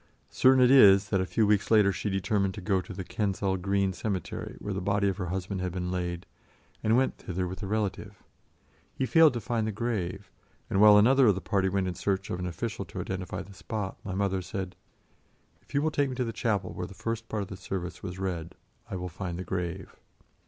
Certain it is that a few weeks later she determined to go to the Kensal Green Cemetery, where the body of her husband had been laid, and went thither with a relative; he failed to find the grave, and while another of the party went in search of an official to identify the spot, my mother said, "If you will take me to the chapel where the first part of the service was read, I will find the grave."